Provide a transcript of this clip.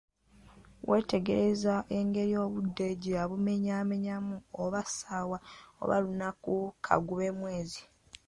Weetegerezza engeri obudde gye yabumenyamenyamu, oba ssaawa, oba lunaku, kagube mwezi!